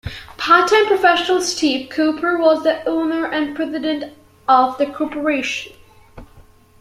Part-time professional Steve Cooper was the owner and president of the corporation.